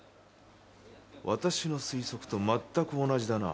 私の推測とまったく同じだなぁ。